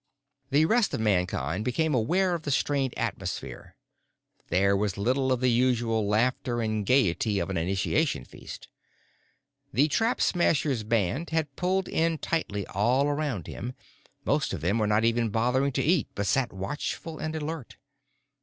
The rest of Mankind became aware of the strained atmosphere: there was little of the usual laughter and gaiety of an initiation feast. The Trap Smasher's band had pulled in tightly all around him; most of them were not even bothering to eat but sat watchful and alert.